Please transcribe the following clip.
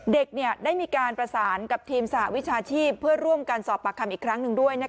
เด็กได้มีการประสานกับทีมสหวิชาชีพเพื่อร่วมกันสอบปากคำอีกครั้งหนึ่งด้วย